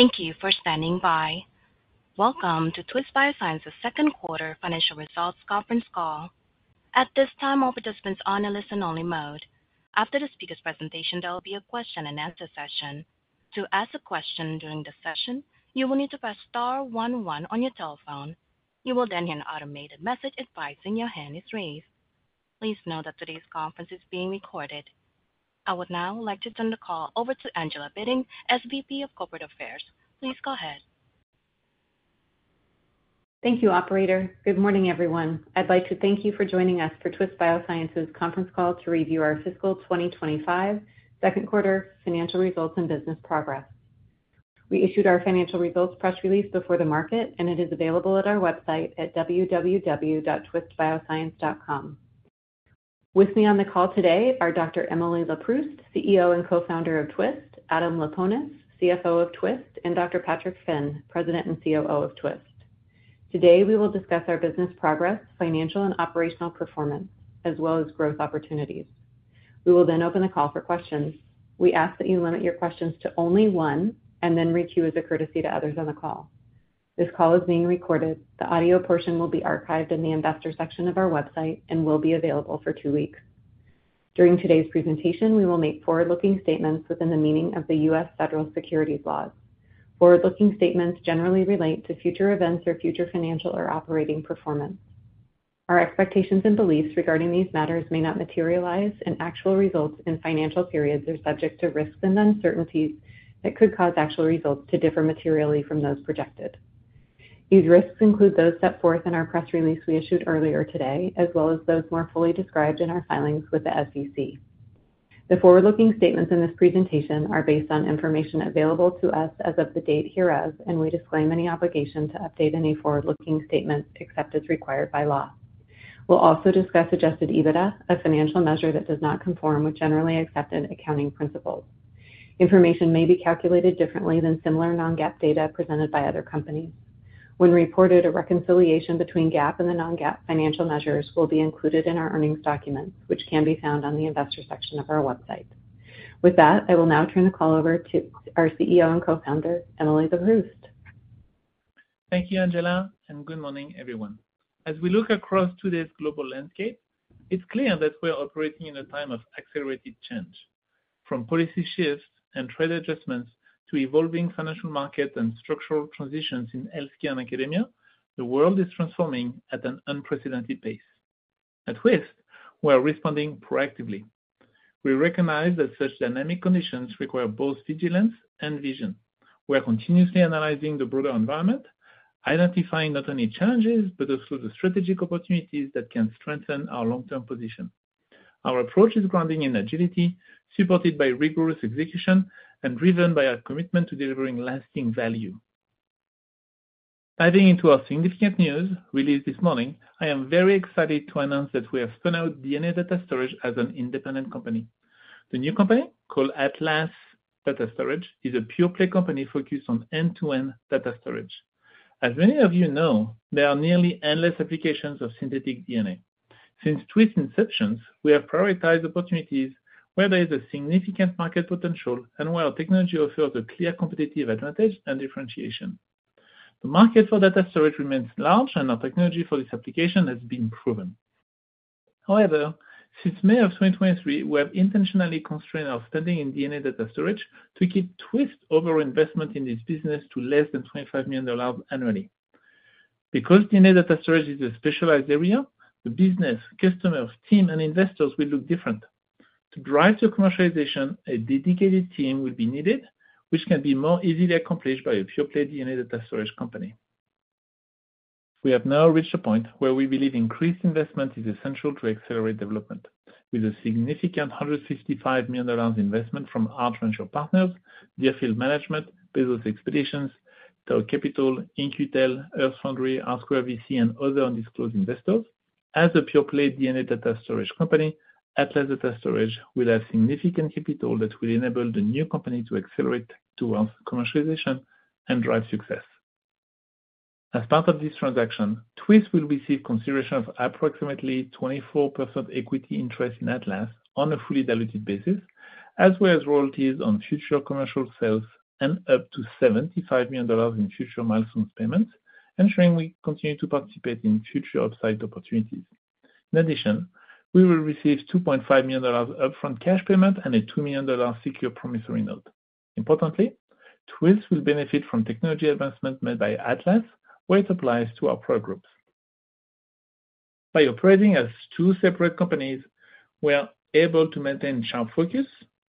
Okay. Thank you for standing by. Welcome to Twist Bioscience's Second Quarter Financial Results Conference Call. At this time, all participants are on a listen-only mode. After the speaker's presentation, there will be a question-and-answer session. To ask a question during the session, you will need to press star one one on your telephone. You will then hear an automated message advising your hand is raised. Please note that today's conference is being recorded. I would now like to turn the call over to Angela Bitting, SVP of Corporate Affairs. Please go ahead. Thank you, Operator. Good morning, everyone. I'd like to thank you for joining us for Twist Bioscience's Conference Call to review our fiscal 2025 Second Quarter Financial Results and business progress. We issued our financial results press release before the market, and it is available at our website at www.twistbioscience.com. With me on the call today are Dr. Emily Leproust, CEO and co-founder of Twist; Adam Laponis, CFO of Twist; and Dr. Patrick Finn, President and COO of Twist. Today, we will discuss our business progress, financial and operational performance, as well as growth opportunities. We will then open the call for questions. We ask that you limit your questions to only one and then read to you as a courtesy to others on the call. This call is being recorded. The audio portion will be archived in the investor section of our website and will be available for two weeks. During today's presentation, we will make forward-looking statements within the meaning of the U.S. federal securities laws. Forward-looking statements generally relate to future events or future financial or operating performance. Our expectations and beliefs regarding these matters may not materialize, and actual results in financial periods are subject to risks and uncertainties that could cause actual results to differ materially from those projected. These risks include those set forth in our press release we issued earlier today, as well as those more fully described in our filings with the SEC. The forward-looking statements in this presentation are based on information available to us as of the date hereof, and we disclaim any obligation to update any forward-looking statements except as required by law. We'll also discuss adjusted EBITDA, a financial measure that does not conform with generally accepted accounting principles. Information may be calculated differently than similar non-GAAP data presented by other companies. When reported, a reconciliation between GAAP and the non-GAAP financial measures will be included in our earnings documents, which can be found on the investor section of our website. With that, I will now turn the call over to our CEO and co-founder, Emily Leproust. Thank you, Angela, and good morning, everyone. As we look across today's global landscape, it is clear that we are operating in a time of accelerated change. From policy shifts and trade adjustments to evolving financial markets and structural transitions in healthcare and academia, the world is transforming at an unprecedented pace. At Twist, we are responding proactively. We recognize that such dynamic conditions require both vigilance and vision. We are continuously analyzing the broader environment, identifying not only challenges but also the strategic opportunities that can strengthen our long-term position. Our approach is grounded in agility, supported by rigorous execution and driven by our commitment to delivering lasting value. Diving into our significant news released this morning, I am very excited to announce that we have spun out DNA Data Storage as an independent company. The new company called Atlas Data Storage is a pure-play company focused on end-to-end data storage. As many of you know, there are nearly endless applications of synthetic DNA. Since Twist's inception, we have prioritized opportunities where there is a significant market potential and where our technology offers a clear competitive advantage and differentiation. The market for data storage remains large, and our technology for this application has been proven. However, since May of 2023, we have intentionally constrained our spending in DNA Data Storage to keep Twist's overall investment in this business to less than $25 million annually. Because DNA Data Storage is a specialized area, the business, customers, team, and investors will look different. To drive the commercialization, a dedicated team will be needed, which can be more easily accomplished by a pure-play DNA Data Storage company. We have now reached a point where we believe increased investment is essential to accelerate development. With a significant $155 million investment from our financial partners, Deerfield Management, Bezos Expeditions, Tell Capital, In-Q-Tel, Earth Foundry, Rsquared VC, and other undisclosed investors, as a pure-play DNA Data Storage company, Atlas Data Storage will have significant capital that will enable the new company to accelerate towards commercialization and drive success. As part of this transaction, Twist will receive consideration of approximately 24% equity interest in Atlas on a fully diluted basis, as well as royalties on future commercial sales and up to $75 million in future milestone payments, ensuring we continue to participate in future upside opportunities. In addition, we will receive a $2.5 million upfront cash payment and a $2 million secure promissory note. Importantly, Twist will benefit from technology advancement made by Atlas, where it applies to our product groups. By operating as two separate companies, we are able to maintain sharp focus,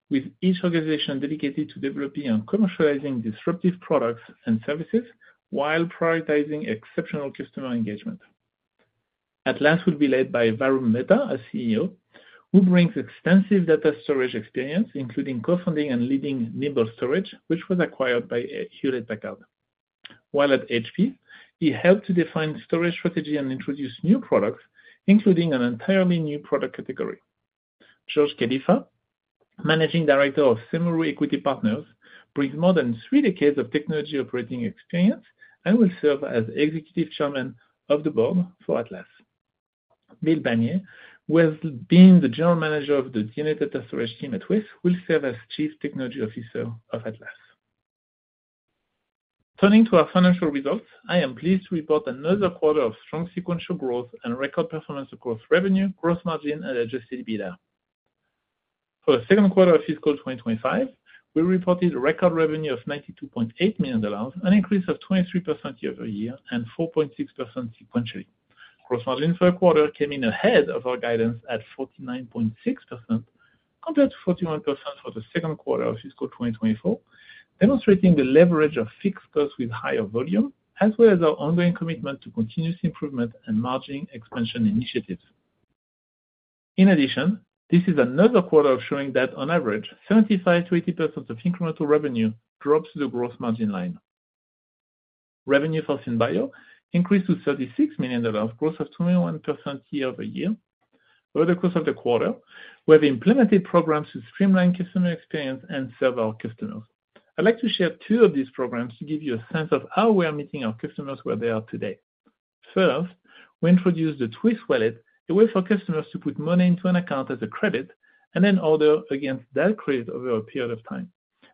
with each organization dedicated to developing and commercializing disruptive products and services while prioritizing exceptional customer engagement. Atlas will be led by Varun Mehta, a CEO, who brings extensive data storage experience, including co-founding and leading Nimble Storage, which was acquired by Hewlett-Packard. While at HP, he helped to define storage strategy and introduce new products, including an entirely new product category. George Kadifa, Managing Director of Sumeru Equity Partners, brings more than three decades of technology operating experience and will serve as Executive Chairman of the Board for Atlas. Bill Banier, who has been the General Manager of the DNA Data Storage team at Twist, will serve as Chief Technology Officer of Atlas. Turning to our financial results, I am pleased to report another quarter of strong sequential growth and record performance across revenue, gross margin, and adjusted EBITDA. For the second quarter of fiscal 2025, we reported a record revenue of $92.8 million, an increase of 23% year-over-year and 4.6% sequentially. Gross margin for the quarter came in ahead of our guidance at 49.6%, compared to 41% for the second quarter of fiscal 2024, demonstrating the leverage of fixed costs with higher volume, as well as our ongoing commitment to continuous improvement and margin expansion initiatives. In addition, this is another quarter of showing that, on average, 75%-80% of incremental revenue drops to the gross margin line. Revenue for Synbio increased to $36 million, gross of 21% year-over-year. Over the course of the quarter, we have implemented programs to streamline customer experience and serve our customers. I'd like to share two of these programs to give you a sense of how we are meeting our customers where they are today. First, we introduced the Twist Wallet, a way for customers to put money into an account as a credit and then order against that credit over a period of time.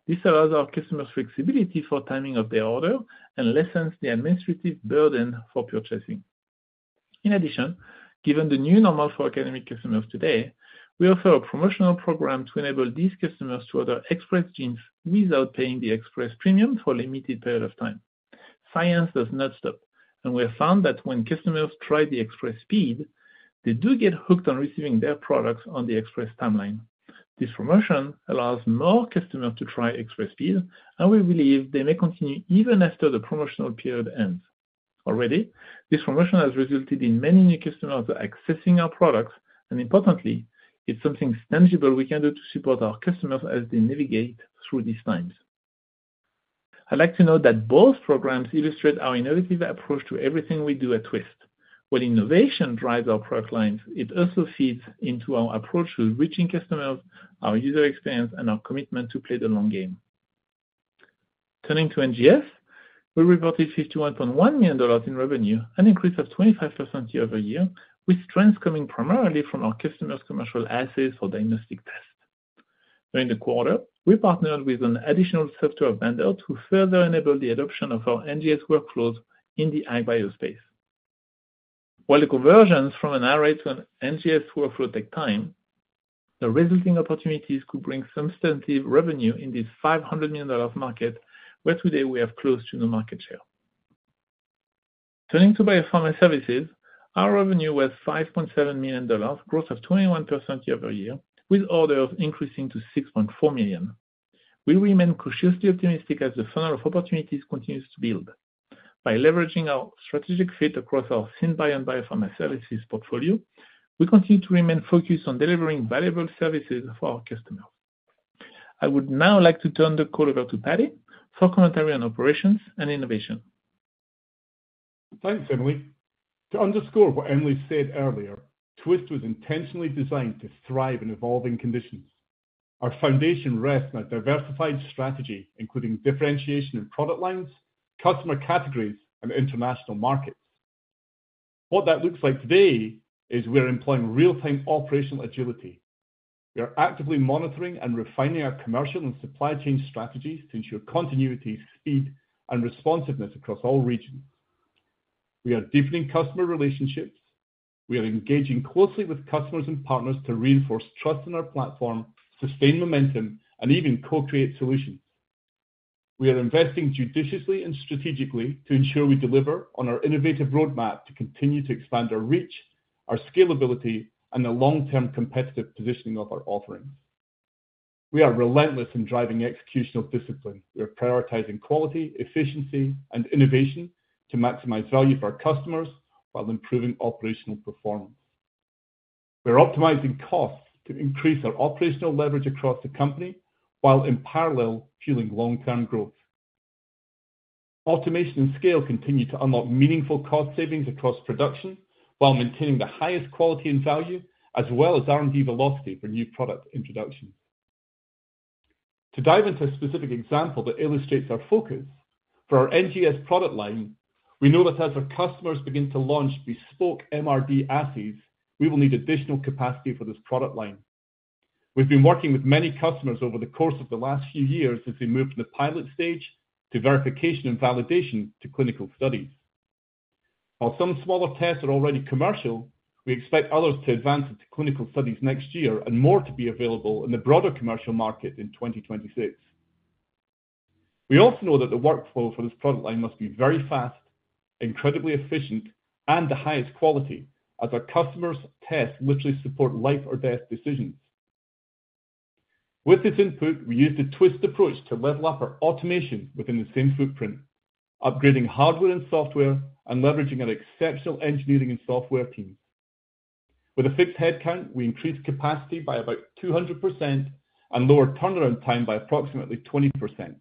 This allows our customers flexibility for timing of their order and lessens the administrative burden for purchasing. In addition, given the new normal for academic customers today, we offer a promotional program to enable these customers to order express genes without paying the express premium for a limited period of time. Science does not stop, and we have found that when customers try the express speed, they do get hooked on receiving their products on the express timeline. This promotion allows more customers to try express speed, and we believe they may continue even after the promotional period ends. Already, this promotion has resulted in many new customers accessing our products, and importantly, it's something tangible we can do to support our customers as they navigate through these times. I'd like to note that both programs illustrate our innovative approach to everything we do at Twist. While innovation drives our product lines, it also feeds into our approach to reaching customers, our user experience, and our commitment to play the long game. Turning to NGS, we reported $51.1 million in revenue, an increase of 25% year-over-year, with strengths coming primarily from our customers' commercial assets for diagnostic tests. During the quarter, we partnered with an additional software vendor to further enable the adoption of our NGS workflows in the Agbio space. While the conversions from an RA to an NGS workflow take time, the resulting opportunities could bring substantive revenue in this $500 million market, where today we have close to no market share. Turning to biopharma services, our revenue was $5.7 million, gross of 21% year-over-year, with orders increasing to $6.4 million. We remain cautiously optimistic as the funnel of opportunities continues to build. By leveraging our strategic fit across our Synbio and biopharma services portfolio, we continue to remain focused on delivering valuable services for our customers. I would now like to turn the call over to Patty for commentary on operations and innovation. Thanks, Emily. To underscore what Emily said earlier, Twist was intentionally designed to thrive in evolving conditions. Our foundation rests on a diversified strategy, including differentiation in product lines, customer categories, and international markets. What that looks like today is we're employing real-time operational agility. We are actively monitoring and refining our commercial and supply chain strategies to ensure continuity, speed, and responsiveness across all regions. We are deepening customer relationships. We are engaging closely with customers and partners to reinforce trust in our platform, sustain momentum, and even co-create solutions. We are investing judiciously and strategically to ensure we deliver on our innovative roadmap to continue to expand our reach, our scalability, and the long-term competitive positioning of our offerings. We are relentless in driving executional discipline. We are prioritizing quality, efficiency, and innovation to maximize value for our customers while improving operational performance. We are optimizing costs to increase our operational leverage across the company while in parallel fueling long-term growth. Automation and scale continue to unlock meaningful cost savings across production while maintaining the highest quality and value, as well as R&D velocity for new product introductions. To dive into a specific example that illustrates our focus for our NGS product line, we know that as our customers begin to launch bespoke MRD assets, we will need additional capacity for this product line. We've been working with many customers over the course of the last few years as they move from the pilot stage to verification and validation to clinical studies. While some smaller tests are already commercial, we expect others to advance into clinical studies next year and more to be available in the broader commercial market in 2026. We also know that the workflow for this product line must be very fast, incredibly efficient, and the highest quality, as our customers' tests literally support life-or-death decisions. With this input, we used a Twist approach to level up our automation within the same footprint, upgrading hardware and software and leveraging an exceptional engineering and software team. With a fixed headcount, we increased capacity by about 200% and lowered turnaround time by approximately 20%.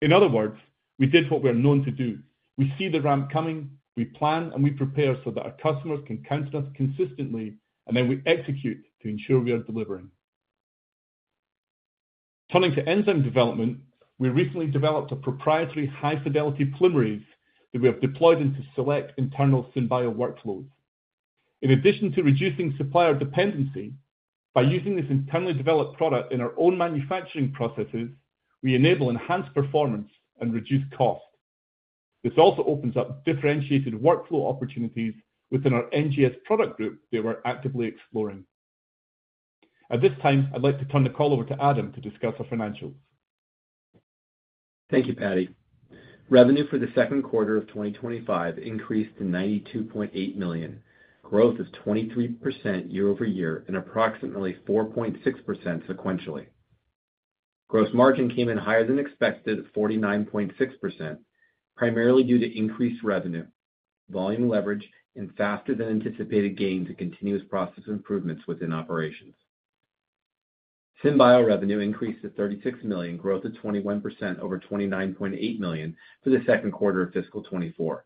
In other words, we did what we are known to do. We see the ramp coming. We plan and we prepare so that our customers can count on us consistently, and then we execute to ensure we are delivering. Turning to enzyme development, we recently developed a proprietary high-fidelity polymerase that we have deployed into select internal Synbio workflows. In addition to reducing supplier dependency, by using this internally developed product in our own manufacturing processes, we enable enhanced performance and reduce cost. This also opens up differentiated workflow opportunities within our NGS product group that we're actively exploring. At this time, I'd like to turn the call over to Adam to discuss our financials. Thank you, Patty. Revenue for the second quarter of 2025 increased to $92.8 million. Growth is 23% year-over-year and approximately 4.6% sequentially. Gross margin came in higher than expected at 49.6%, primarily due to increased revenue, volume leverage, and faster-than-anticipated gains and continuous process improvements within operations. Synbio revenue increased to $36 million, growth of 21% over $29.8 million for the second quarter of fiscal 2024.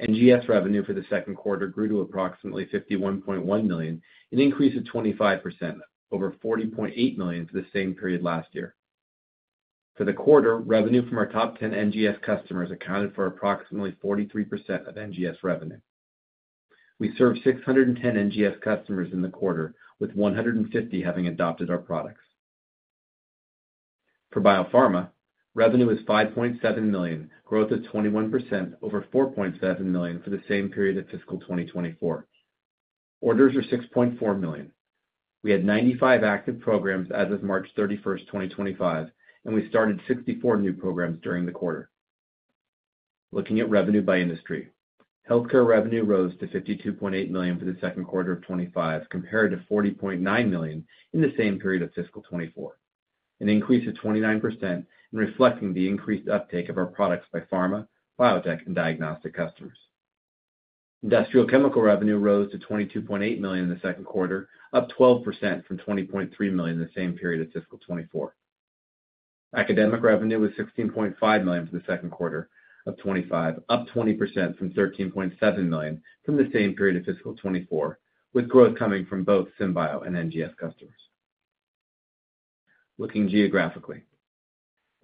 NGS revenue for the second quarter grew to approximately $51.1 million, an increase of 25% over $40.8 million for the same period last year. For the quarter, revenue from our top 10 NGS customers accounted for approximately 43% of NGS revenue. We served 610 NGS customers in the quarter, with 150 having adopted our products. For biopharma, revenue is $5.7 million, growth of 21% over $4.7 million for the same period of fiscal 2024. Orders are $6.4 million. We had 95 active programs as of March 31, 2025, and we started 64 new programs during the quarter. Looking at revenue by industry, healthcare revenue rose to $52.8 million for the second quarter of 2025, compared to $40.9 million in the same period of fiscal 2024, an increase of 29% and reflecting the increased uptake of our products by pharma, biotech, and diagnostic customers. Industrial chemical revenue rose to $22.8 million in the second quarter, up 12% from $20.3 million in the same period of fiscal 2024. Academic revenue was $16.5 million for the second quarter of 2025, up 20% from $13.7 million from the same period of fiscal 2024, with growth coming from both Synbio and NGS customers. Looking geographically,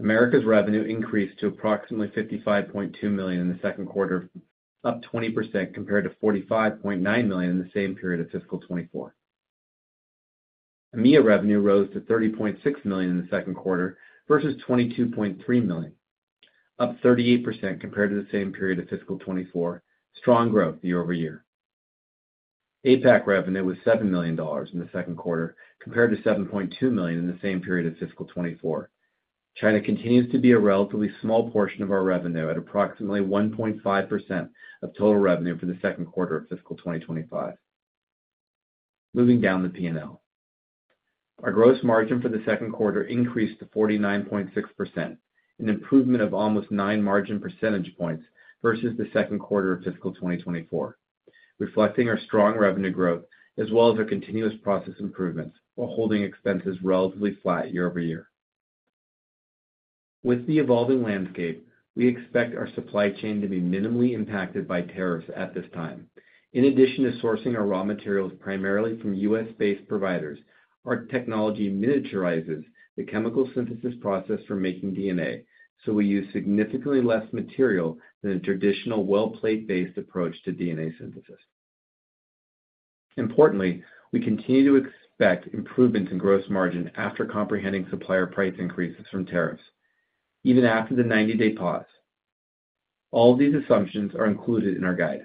Americas revenue increased to approximately $55.2 million in the second quarter, up 20% compared to $45.9 million in the same period of fiscal 2024. EMEA revenue rose to $30.6 million in the second quarter versus $22.3 million, up 38% compared to the same period of fiscal 2024, strong growth year-over-year. APAC revenue was $7 million in the second quarter, compared to $7.2 million in the same period of fiscal 2024. China continues to be a relatively small portion of our revenue at approximately 1.5% of total revenue for the second quarter of fiscal 2025. Moving down the P&L, our gross margin for the second quarter increased to 49.6%, an improvement of almost nine margin percentage points versus the second quarter of fiscal 2024, reflecting our strong revenue growth as well as our continuous process improvements while holding expenses relatively flat year-over-year. With the evolving landscape, we expect our supply chain to be minimally impacted by tariffs at this time. In addition to sourcing our raw materials primarily from U.S.-based providers, our technology miniaturizes the chemical synthesis process for making DNA, so we use significantly less material than a traditional well-plate-based approach to DNA synthesis. Importantly, we continue to expect improvements in gross margin after comprehending supplier price increases from tariffs, even after the 90-day pause. All of these assumptions are included in our guide.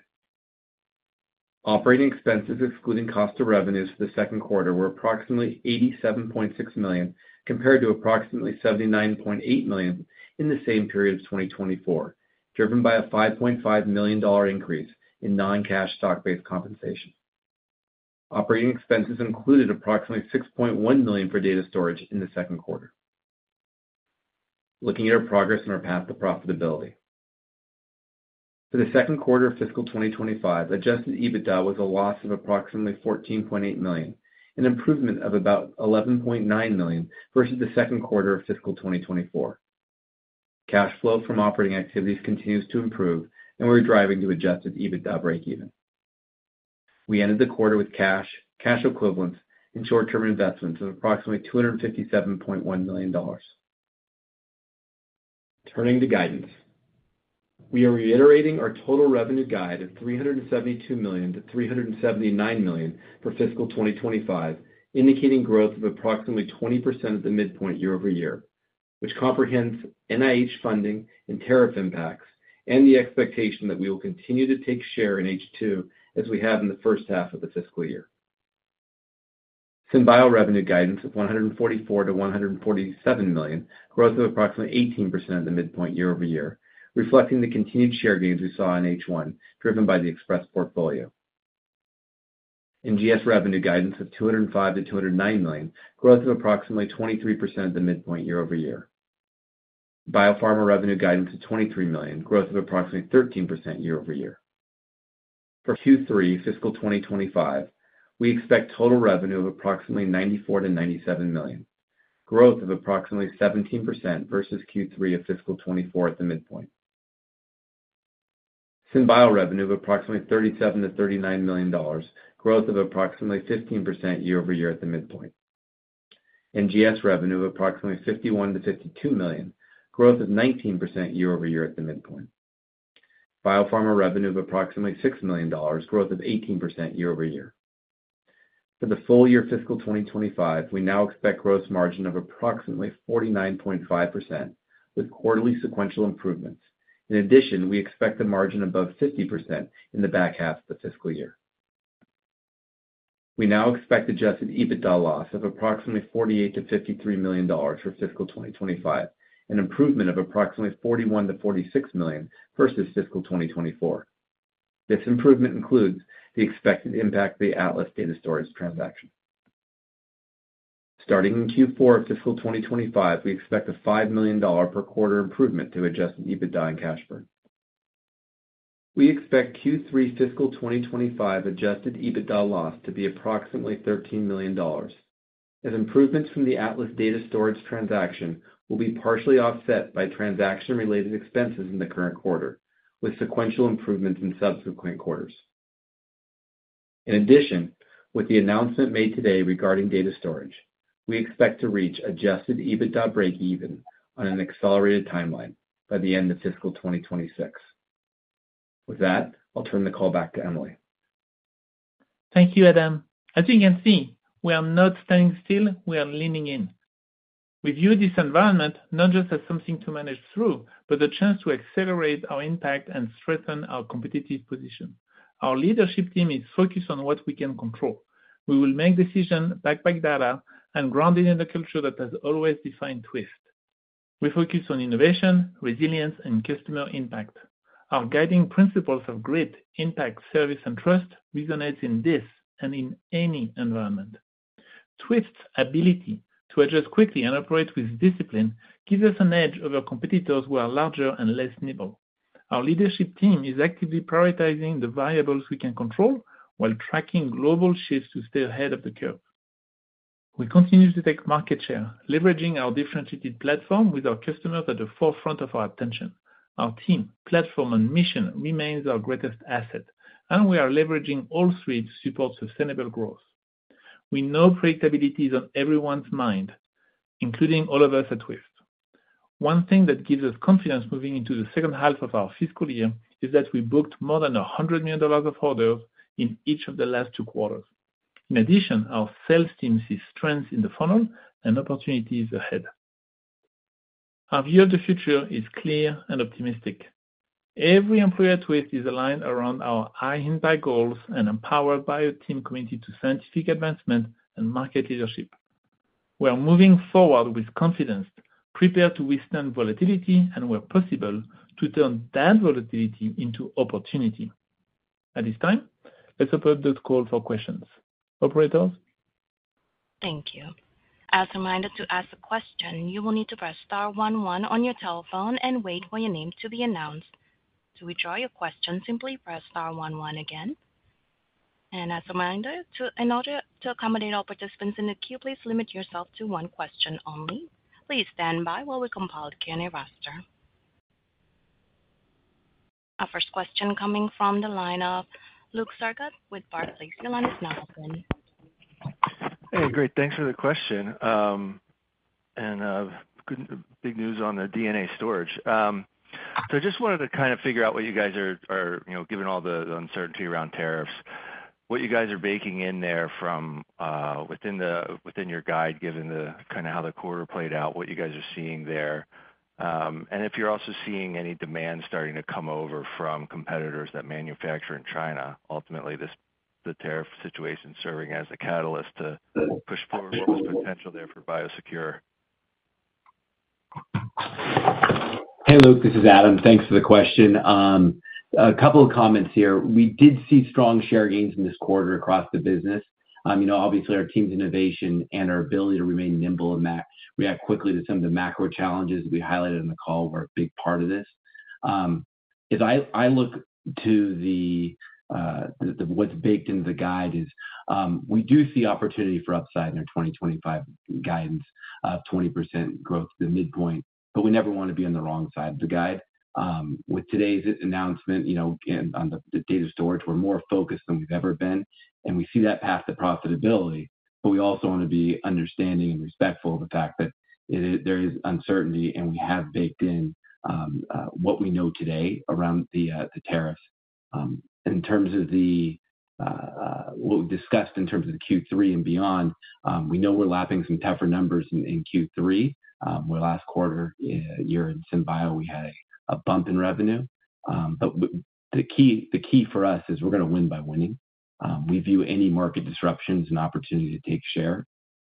Operating expenses, excluding cost of revenues for the second quarter, were approximately $87.6 million compared to approximately $79.8 million in the same period of 2024, driven by a $5.5 million increase in non-cash stock-based compensation. Operating expenses included approximately $6.1 million for data storage in the second quarter. Looking at our progress and our path to profitability, for the second quarter of fiscal 2025, adjusted EBITDA was a loss of approximately $14.8 million, an improvement of about $11.9 million versus the second quarter of fiscal 2024. Cash flow from operating activities continues to improve, and we're driving to adjusted EBITDA break-even. We ended the quarter with cash, cash equivalents, and short-term investments of approximately $257.1 million. Turning to guidance, we are reiterating our total revenue guide of $372 million-$379 million for fiscal 2025, indicating growth of approximately 20% at the midpoint year-over-year, which comprehends NIH funding and tariff impacts and the expectation that we will continue to take share in H2 as we have in the first half of the fiscal year. Synbio revenue guidance of $144-$147 million, growth of approximately 18% at the midpoint year-over-year, reflecting the continued share gains we saw in H1, driven by the express portfolio. NGS revenue guidance of $205-$209 million, growth of approximately 23% at the midpoint year-over-year. Biopharma revenue guidance of $23 million, growth of approximately 13% year-over-year. For Q3 fiscal 2025, we expect total revenue of approximately $94-$97 million, growth of approximately 17% versus Q3 of fiscal 2024 at the midpoint. Synbio revenue of approximately $37-$39 million, growth of approximately 15% year-over-year at the midpoint. NGS revenue of approximately $51-$52 million, growth of 19% year-over-year at the midpoint. Biopharma revenue of approximately $6 million, growth of 18% year-over-year. For the full year fiscal 2025, we now expect gross margin of approximately 49.5% with quarterly sequential improvements. In addition, we expect a margin above 50% in the back half of the fiscal year. We now expect adjusted EBITDA loss of approximately $48 million-$53 million for fiscal 2025, an improvement of approximately $41 million-$46 million versus fiscal 2024. This improvement includes the expected impact of the Atlas Data Storage transaction. Starting in Q4 of fiscal 2025, we expect a $5 million per quarter improvement to adjusted EBITDA and cash burn. We expect Q3 fiscal 2025 adjusted EBITDA loss to be approximately $13 million, as improvements from the Atlas Data Storage transaction will be partially offset by transaction-related expenses in the current quarter, with sequential improvements in subsequent quarters. In addition, with the announcement made today regarding data storage, we expect to reach adjusted EBITDA break-even on an accelerated timeline by the end of fiscal 2026. With that, I'll turn the call back to Emily. Thank you, Adam. As you can see, we are not standing still. We are leaning in. We view this environment not just as something to manage through, but a chance to accelerate our impact and strengthen our competitive position. Our leadership team is focused on what we can control. We will make decisions backed by data and grounded in a culture that has always defined Twist. We focus on innovation, resilience, and customer impact. Our guiding principles of grit, impact, service, and trust resonate in this and in any environment. Twist's ability to adjust quickly and operate with discipline gives us an edge over competitors who are larger and less nimble. Our leadership team is actively prioritizing the variables we can control while tracking global shifts to stay ahead of the curve. We continue to take market share, leveraging our differentiated platform with our customers at the forefront of our attention. Our team, platform, and mission remain our greatest asset, and we are leveraging all three to support sustainable growth. We know predictability is on everyone's mind, including all of us at Twist. One thing that gives us confidence moving into the second half of our fiscal year is that we booked more than $100 million of orders in each of the last two quarters. In addition, our sales team sees strengths in the funnel and opportunities ahead. Our view of the future is clear and optimistic. Every employee at Twist is aligned around our high-hindsight goals and empowered by our team committed to scientific advancement and market leadership. We are moving forward with confidence, prepared to withstand volatility, and where possible, to turn that volatility into opportunity. At this time, let's open up the call for questions. Operators. Thank you. As a reminder to ask a question, you will need to press star one one on your telephone and wait for your name to be announced. To withdraw your question, simply press star one one again. As a reminder, in order to accommodate all participants in the queue, please limit yourself to one question only. Please stand by while we compile the Q&A roster. Our first question coming from the line of Luke Sergott with Barclays is now open. Hey, great. Thanks for the question. Big news on the DNA storage. I just wanted to kind of figure out what you guys are, given all the uncertainty around tariffs, what you guys are baking in there from within your guide, given kind of how the quarter played out, what you guys are seeing there. If you're also seeing any demand starting to come over from competitors that manufacture in China, ultimately, the tariff situation serving as the catalyst to push forward what was potential there for BioSecure. Hey, Luke. This is Adam. Thanks for the question. A couple of comments here. We did see strong share gains in this quarter across the business. Obviously, our team's innovation and our ability to remain nimble and react quickly to some of the macro challenges that we highlighted in the call were a big part of this. As I look to what's baked into the guide, we do see opportunity for upside in our 2025 guidance of 20% growth to the midpoint, but we never want to be on the wrong side of the guide. With today's announcement on the data storage, we're more focused than we've ever been. We see that path to profitability, but we also want to be understanding and respectful of the fact that there is uncertainty and we have baked in what we know today around the tariffs. In terms of what we discussed in terms of Q3 and beyond, we know we're lapping some tougher numbers in Q3. Last quarter year in Synbio, we had a bump in revenue. The key for us is we're going to win by winning. We view any market disruptions an opportunity to take share.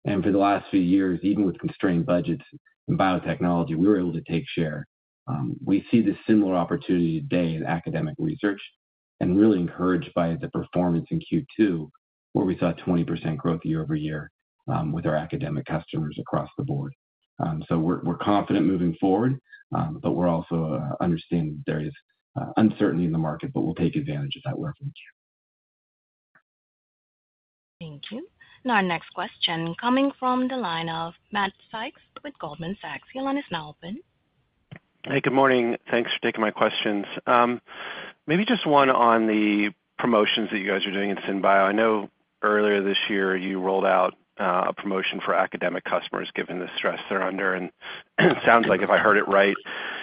For the last few years, even with constrained budgets in biotechnology, we were able to take share. We see this similar opportunity today in academic research and really encouraged by the performance in Q2, where we saw 20% growth year-over-year with our academic customers across the board. We are confident moving forward, but we are also understanding that there is uncertainty in the market, but we'll take advantage of that wherever we can. Thank you. Our next question is coming from the line of Matt Sykes with Goldman Sachs. He is now open. Hey, good morning. Thanks for taking my questions. Maybe just one on the promotions that you guys are doing at Synbio. I know earlier this year you rolled out a promotion for academic customers given the stress they're under. It sounds like if I heard it right,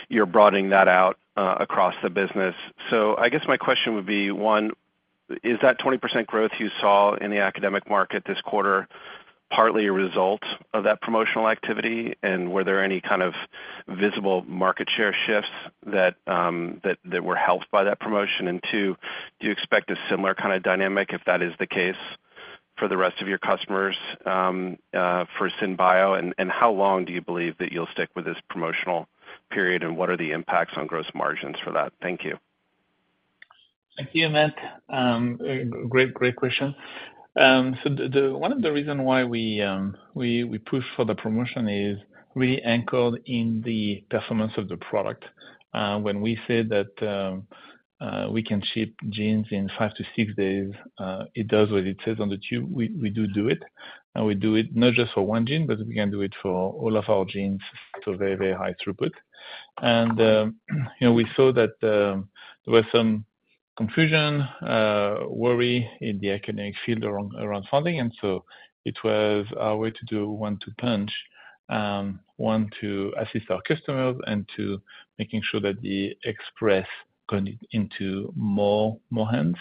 you're broadening that out across the business. I guess my question would be, one, is that 20% growth you saw in the academic market this quarter partly a result of that promotional activity? Were there any kind of visible market share shifts that were helped by that promotion? Two, do you expect a similar kind of dynamic if that is the case for the rest of your customers for Synbio? How long do you believe that you'll stick with this promotional period, and what are the impacts on gross margins for that? Thank you. Thank you, Matt. Great question. One of the reasons why we push for the promotion is really anchored in the performance of the product. When we say that we can ship genes in five to six days, it does what it says on the tube. We do do it. We do it not just for one gene, but we can do it for all of our genes to a very, very high throughput. We saw that there was some confusion, worry in the academic field around funding. It was our way to do one-two punch, one to assist our customers and to making sure that the express got into more hands.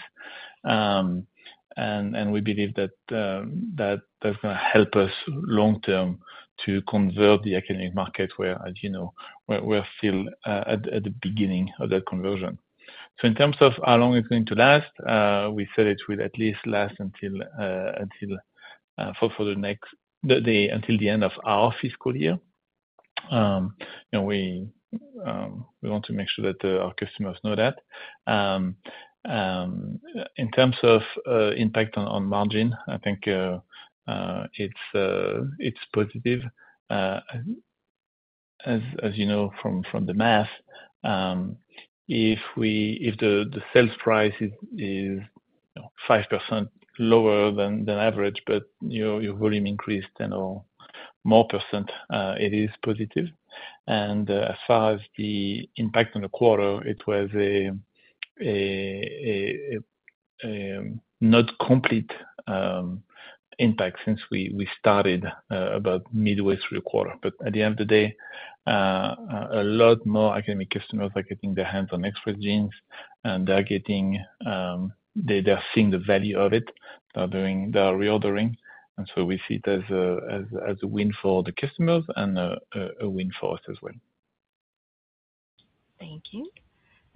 We believe that that is going to help us long-term to convert the academic market where, as you know, we are still at the beginning of that conversion. In terms of how long it's going to last, we said it will at least last until the end of our fiscal year. We want to make sure that our customers know that. In terms of impact on margin, I think it's positive. As you know from the math, if the sales price is 5% lower than average, but your volume increased 10% or more, it is positive. As far as the impact on the quarter, it was not complete impact since we started about midway through the quarter. At the end of the day, a lot more academic customers are getting their hands on express genes, and they're seeing the value of it. They're reordering. We see it as a win for the customers and a win for us as well. Thank you.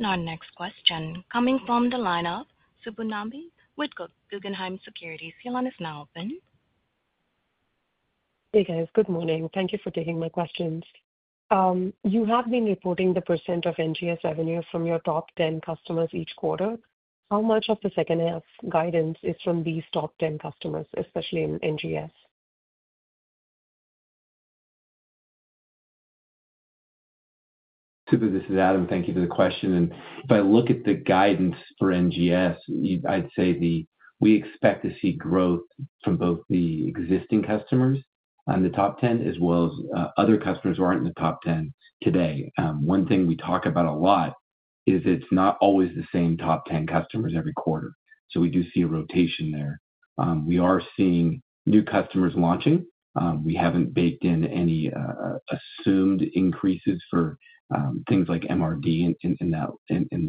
Our next question is coming from the line of Subbu Nambi with Guggenheim Securities. He is now open. Hey, guys. Good morning. Thank you for taking my questions. You have been reporting the percent of NGS revenue from your top 10 customers each quarter. How much of the second-half guidance is from these top 10 customers, especially in NGS? Super. This is Adam. Thank you for the question. If I look at the guidance for NGS, I'd say we expect to see growth from both the existing customers on the top 10 as well as other customers who aren't in the top 10 today. One thing we talk about a lot is it's not always the same top 10 customers every quarter. We do see a rotation there. We are seeing new customers launching. We haven't baked in any assumed increases for things like MRD in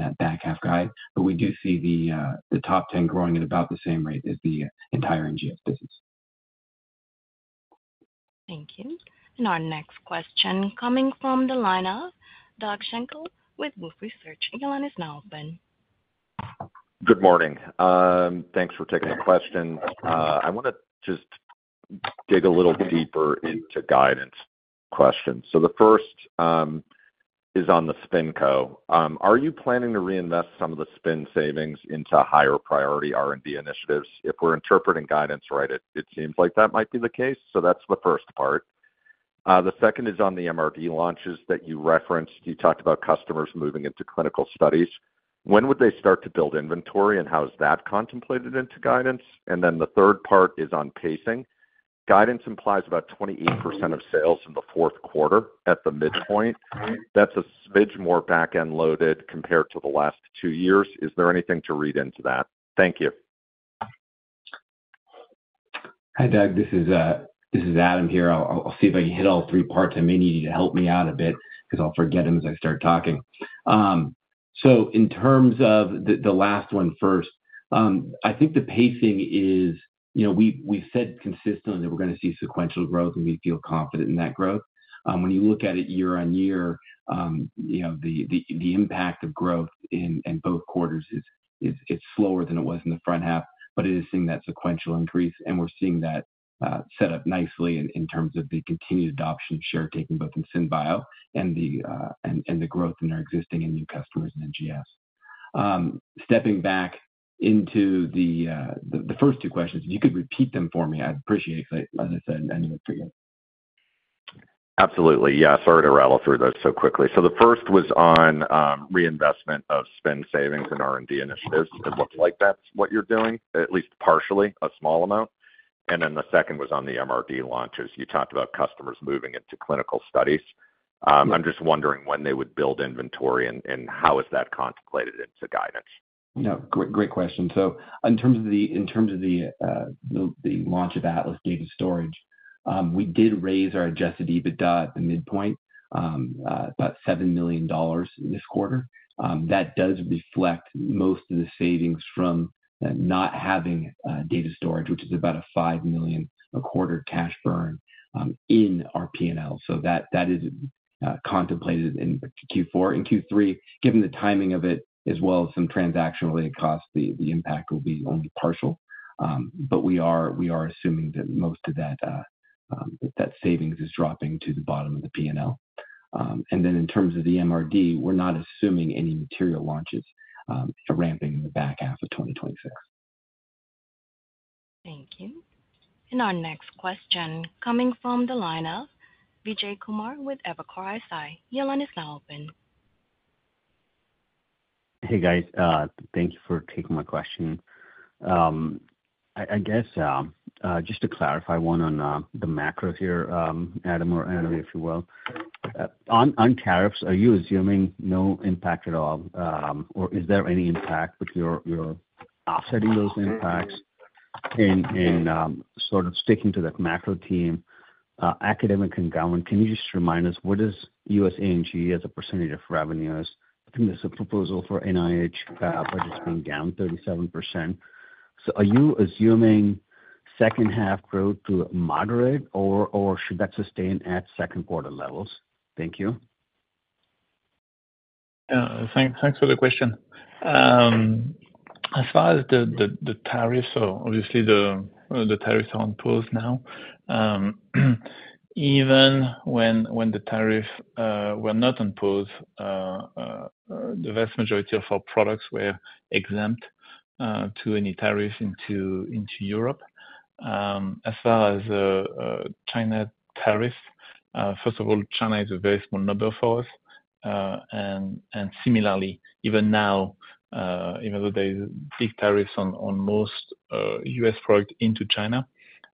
that back half guide. We do see the top 10 growing at about the same rate as the entire NGS business. Thank you. Our next question coming from the line of Doug Schenkel with Wolfe Research. He is now open. Good morning. Thanks for taking the question. I want to just dig a little deeper into guidance questions. The first is on the SpinCo. Are you planning to reinvest some of the SPIN savings into higher priority R&D initiatives? If we're interpreting guidance right, it seems like that might be the case. That is the first part. The second is on the MRD launches that you referenced. You talked about customers moving into clinical studies. When would they start to build inventory, and how is that contemplated into guidance? The third part is on pacing. Guidance implies about 28% of sales in the fourth quarter at the midpoint. That is a smidge more back-end loaded compared to the last two years. Is there anything to read into that? Thank you. Hi, Doug. This is Adam here. I'll see if I can hit all three parts. I may need you to help me out a bit because I'll forget them as I start talking. In terms of the last one first, I think the pacing is we've said consistently that we're going to see sequential growth, and we feel confident in that growth. When you look at it year on year, the impact of growth in both quarters is slower than it was in the front half, but it is seeing that sequential increase. We're seeing that set up nicely in terms of the continued adoption and share taking both in Synbio and the growth in our existing and new customers in NGS. Stepping back into the first two questions, if you could repeat them for me, I'd appreciate it because, as I said, I know it's pretty good. Absolutely. Yeah. Sorry to rattle through those so quickly. The first was on reinvestment of SPIN savings and R&D initiatives. It looks like that's what you're doing, at least partially, a small amount. The second was on the MRD launches. You talked about customers moving into clinical studies. I'm just wondering when they would build inventory and how is that contemplated into guidance? No. Great question. In terms of the launch of Atlas Data Storage, we did raise our adjusted EBITDA at the midpoint, about $7 million this quarter. That does reflect most of the savings from not having data storage, which is about a $5 million a quarter cash burn in our P&L. That is contemplated in Q4. In Q3, given the timing of it, as well as some transactional costs, the impact will be only partial. We are assuming that most of that savings is dropping to the bottom of the P&L. In terms of the MRD, we're not assuming any material launches ramping in the back half of 2026. Thank you. Our next question coming from the line of Vijay Kumar with Evercore ISI. He is now open. Hey, guys. Thank you for taking my question. I guess just to clarify one on the macro here, Adam or Anna, if you will. On tariffs, are you assuming no impact at all, or is there any impact, but you're offsetting those impacts? And sort of sticking to that macro team, academic and government, can you just remind us what is USA and G as a percentage of revenues? I think there's a proposal for NIH budgets being down 37%. So are you assuming second-half growth to moderate, or should that sustain at second-quarter levels? Thank you. Thanks for the question. As far as the tariffs, so obviously the tariffs are on pause now. Even when the tariffs were not on pause, the vast majority of our products were exempt to any tariffs into Europe. As far as China tariffs, first of all, China is a very small number for us. Similarly, even now, even though there are big tariffs on most U.S. products into China,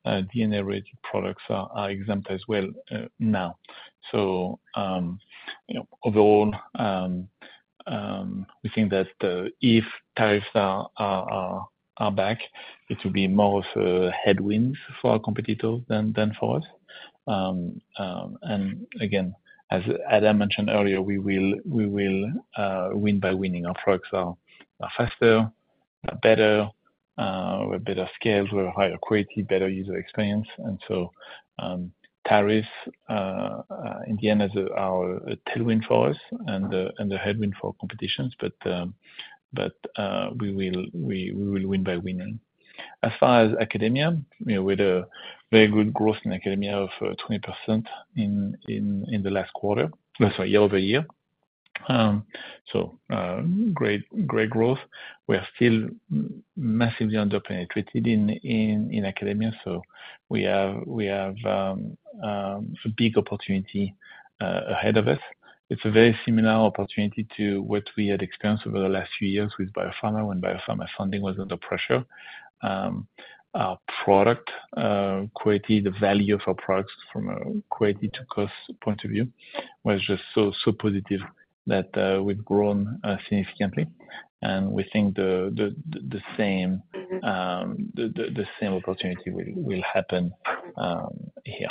DNA-related products are exempt as well now. Overall, we think that if tariffs are back, it will be more of a headwind for our competitors than for us. Again, as Adam mentioned earlier, we will win by winning. Our products are faster, better, with better scales, with higher quality, better user experience. Tariffs, in the end, are a tailwind for us and a headwind for competitions, but we will win by winning. As far as academia, we had very good growth in academia of 20% in the last quarter, year-over-year. Great growth. We are still massively underpenetrated in academia, so we have a big opportunity ahead of us. It's a very similar opportunity to what we had experienced over the last few years with biopharma when biopharma funding was under pressure. Our product quality, the value of our products from a quality to cost point of view, was just so positive that we've grown significantly. We think the same opportunity will happen here.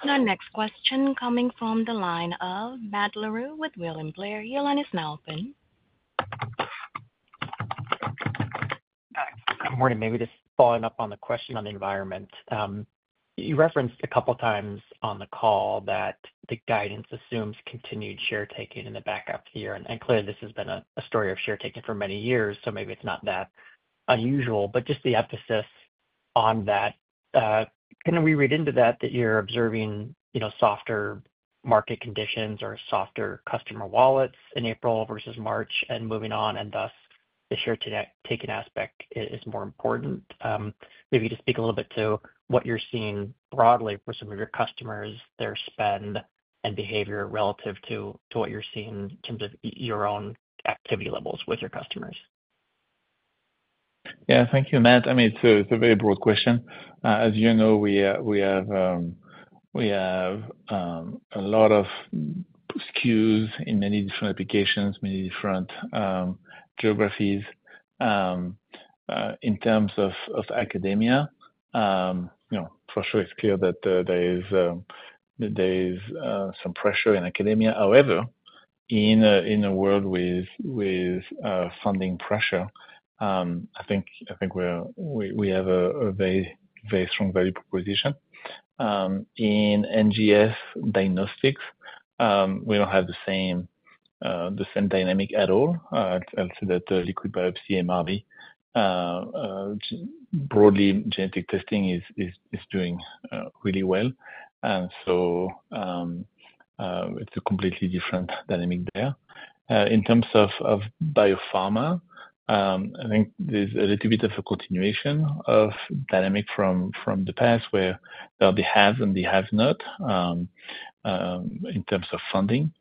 Thank you. Our next question coming from the line of Matt Leroux with William Blair. He is now open. Good morning. Maybe just following up on the question on the environment. You referenced a couple of times on the call that the guidance assumes continued share taking in the back half of the year. Clearly, this has been a story of share taking for many years, so maybe it's not that unusual. Just the emphasis on that, can we read into that that you're observing softer market conditions or softer customer wallets in April versus March and moving on, and thus the share taking aspect is more important? Maybe just speak a little bit to what you're seeing broadly for some of your customers, their spend and behavior relative to what you're seeing in terms of your own activity levels with your customers. Yeah. Thank you, Matt. I mean, it's a very broad question. As you know, we have a lot of SKUs in many different applications, many different geographies. In terms of academia, for sure, it's clear that there is some pressure in academia. However, in a world with funding pressure, I think we have a very strong value proposition. In NGS diagnostics, we don't have the same dynamic at all. I'll say that liquid biopsy, MRD, broadly genetic testing is doing really well. It is a completely different dynamic there. In terms of biopharma, I think there's a little bit of a continuation of dynamic from the past where there are the haves and the have-nots in terms of funding.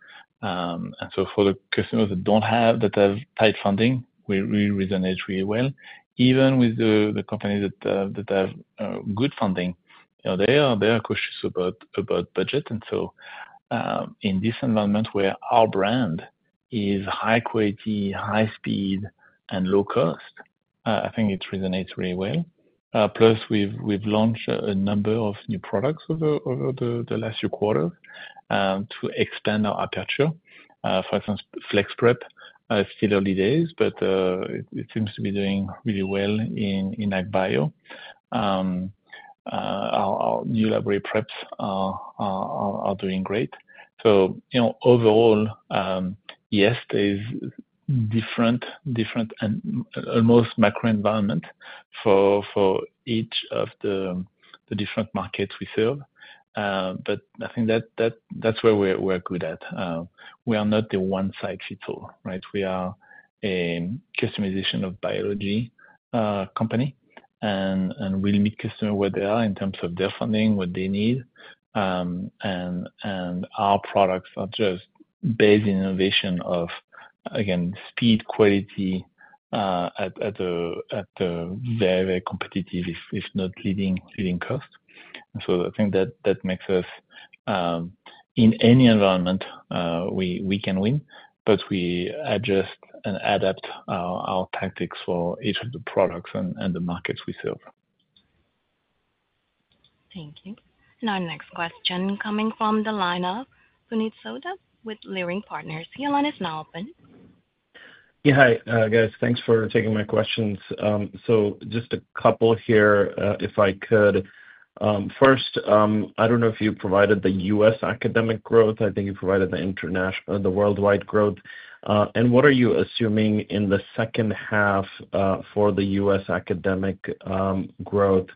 For the customers that have tight funding, we really resonate really well. Even with the companies that have good funding, they are cautious about budget. In this environment where our brand is high quality, high speed, and low cost, I think it resonates really well. Plus, we've launched a number of new products over the last few quarters to expand our aperture. For instance, Flex Prep is still early days, but it seems to be doing really well in AgBio. Our new library preps are doing great. Overall, yes, there is different and almost macro environment for each of the different markets we serve. I think that's where we're good at. We are not the one-size-fits-all, right? We are a customization of biology company, and we'll meet customers where they are in terms of their funding, what they need. Our products are just based in innovation of, again, speed, quality at a very, very competitive, if not leading cost. I think that makes us, in any environment, we can win, but we adjust and adapt our tactics for each of the products and the markets we serve. Thank you. Our next question coming from the line of Puneet Souda with Leerink Partners. He is now open. Yeah. Hi, guys. Thanks for taking my questions. Just a couple here, if I could. First, I do not know if you provided the U.S. academic growth. I think you provided the worldwide growth. What are you assuming in the second half for the U.S. academic growth?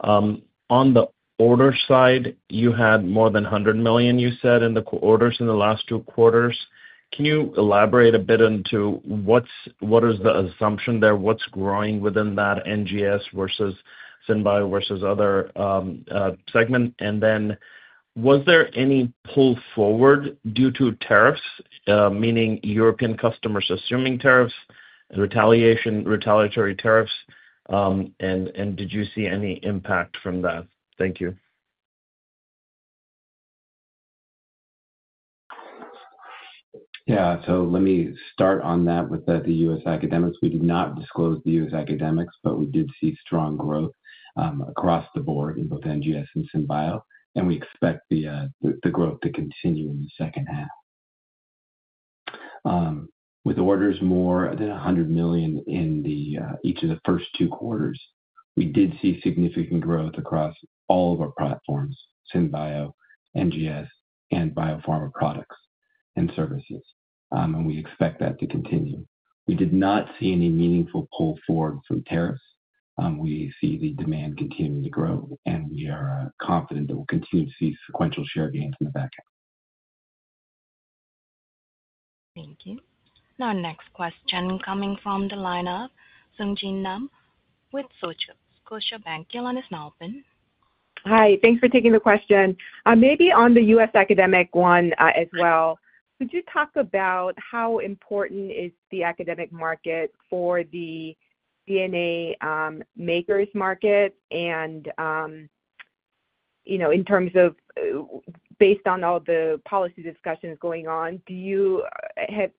On the order side, you had more than $100 million, you said, in the orders in the last two quarters. Can you elaborate a bit into what is the assumption there? What is growing within that NGS versus Synbio versus other segment? Was there any pull forward due to tariffs, meaning European customers assuming tariffs, retaliatory tariffs? Did you see any impact from that? Thank you. Yeah. Let me start on that with the U.S. academics. We did not disclose the U.S. academics, but we did see strong growth across the board in both NGS and SynBio. We expect the growth to continue in the second half. With orders more than $100 million in each of the first two quarters, we did see significant growth across all of our platforms, SynBio, NGS, and biopharma products and services. We expect that to continue. We did not see any meaningful pull forward from tariffs. We see the demand continuing to grow, and we are confident that we'll continue to see sequential share gains in the back half. Thank you. Our next question coming from the line of Sung Ji Nam with Scotiabank. He is now open. Hi. Thanks for taking the question. Maybe on the U.S. academic one as well, could you talk about how important is the academic market for the DNA makers market? In terms of based on all the policy discussions going on, have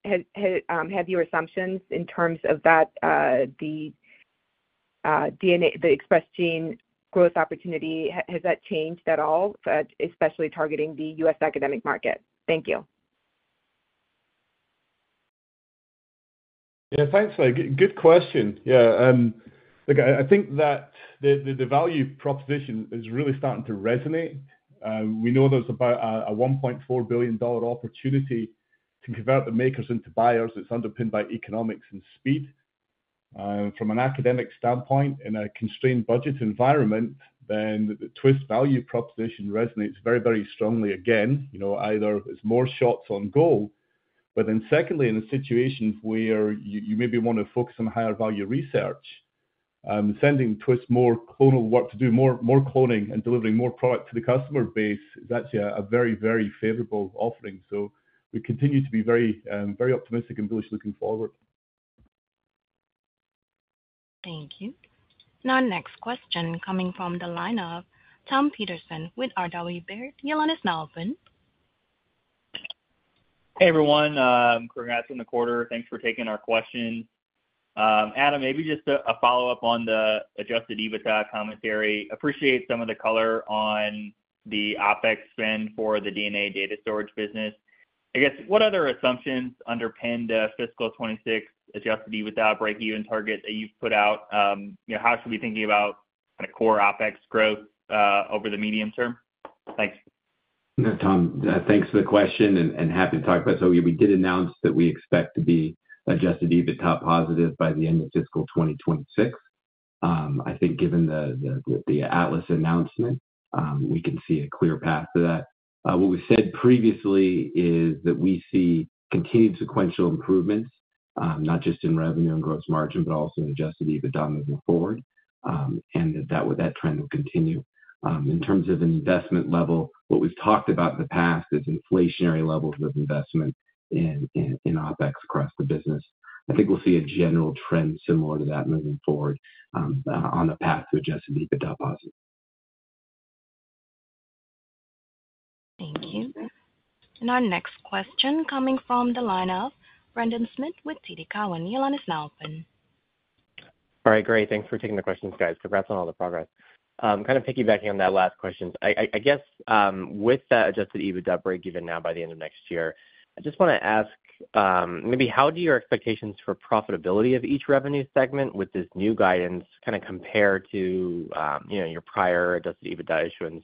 your assumptions in terms of the express gene growth opportunity, has that changed at all, especially targeting the U.S. academic market? Thank you. Yeah. Thanks, Ji. Good question. Yeah. I think that the value proposition is really starting to resonate. We know there's about a $1.4 billion opportunity to convert the makers into buyers that's underpinned by economics and speed. From an academic standpoint, in a constrained budget environment, the Twist value proposition resonates very, very strongly. Again, either it's more shots on goal, but then secondly, in a situation where you maybe want to focus on higher value research, sending Twist more clonal work to do more cloning and delivering more product to the customer base is actually a very, very favorable offering. We continue to be very optimistic and bullish looking forward. Thank you. Our next question coming from the line of Tom Peterson with Robert W. Baird & Co. He is now open. Hey, everyone. Congrats on the quarter. Thanks for taking our questions. Adam, maybe just a follow-up on the adjusted EBITDA commentary. Appreciate some of the color on the OpEx spend for the DNA data storage business. I guess, what other assumptions underpin the fiscal 2026 adjusted EBITDA break-even target that you've put out? How should we be thinking about core OpEx growth over the medium term? Thanks. Thanks for the question, and happy to talk about it. We did announce that we expect to be adjusted EBITDA positive by the end of fiscal 2026. I think given the Atlas announcement, we can see a clear path to that. What we've said previously is that we see continued sequential improvements, not just in revenue and gross margin, but also in adjusted EBITDA moving forward, and that that trend will continue. In terms of an investment level, what we've talked about in the past is inflationary levels of investment in OpEx across the business. I think we'll see a general trend similar to that moving forward on the path to adjusted EBITDA positive. Thank you. Our next question is coming from the line of Brandon Smith with TD Cowen. He is now open. All right. Great. Thanks for taking the questions, guys. Congrats on all the progress. Kind of piggybacking on that last question, I guess with that adjusted EBITDA break-even now by the end of next year, I just want to ask maybe how do your expectations for profitability of each revenue segment with this new guidance kind of compare to your prior adjusted EBITDA issuance?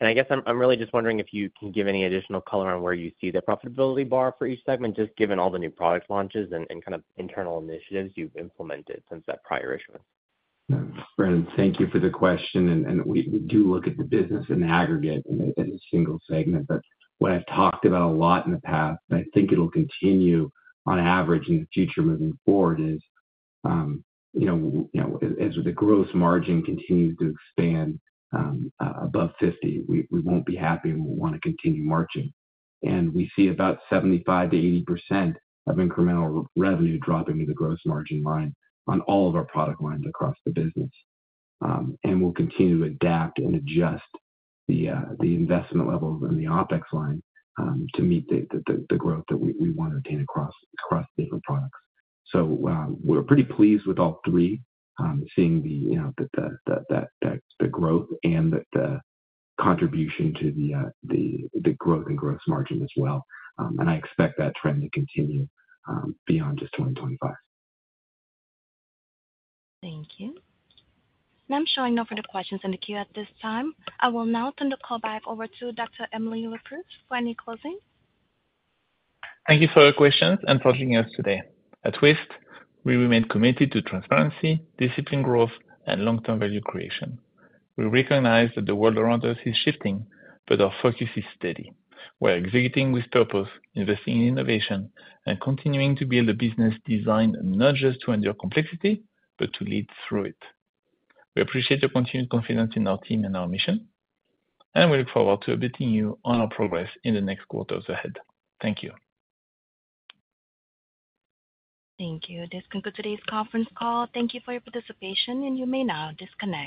I guess I'm really just wondering if you can give any additional color on where you see the profitability bar for each segment, just given all the new product launches and kind of internal initiatives you've implemented since that prior issuance. Brandon, thank you for the question. We do look at the business in aggregate as a single segment. What I've talked about a lot in the past, and I think it'll continue on average in the future moving forward, is as the gross margin continues to expand above 50%, we won't be happy and we'll want to continue marching. We see about 75%-80% of incremental revenue dropping to the gross margin line on all of our product lines across the business. We'll continue to adapt and adjust the investment levels in the OpEx line to meet the growth that we want to attain across different products. We're pretty pleased with all three, seeing the growth and the contribution to the growth and gross margin as well. I expect that trend to continue beyond just 2025. Thank you. I am showing no further questions in the queue at this time. I will now turn the call back over to Dr. Emily Leproust for any closing. Thank you for your questions and for joining us today. At Twist, we remain committed to transparency, disciplined growth, and long-term value creation. We recognize that the world around us is shifting, but our focus is steady. We're executing with purpose, investing in innovation, and continuing to build a business designed not just to endure complexity, but to lead through it. We appreciate your continued confidence in our team and our mission, and we look forward to updating you on our progress in the next quarters ahead. Thank you. Thank you. This concludes today's conference call. Thank you for your participation, and you may now disconnect.